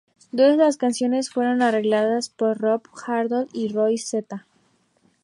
Todas las canciones fueron arregladas por Rob Halford y Roy Z